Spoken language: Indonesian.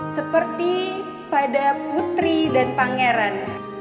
seperti pada putri dan pangeran